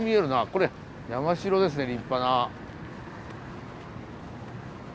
これ山城ですね立派な。